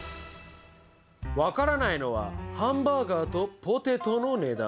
分からないのはハンバーガーとポテトの値段。